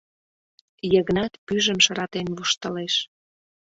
Йыгнат пӱйжым шыратен воштылеш: